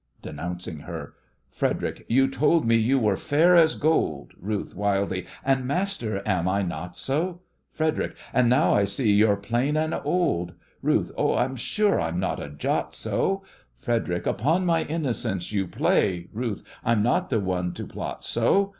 (Denouncing her.) FREDERIC: You told me you were fair as gold! RUTH: (wildly) And, master, am I not so? FREDERIC: And now I see you're plain and old. RUTH: I'm sure I'm not a jot so. FREDERIC: Upon my innocence you play. RUTH: I'm not the one to plot so.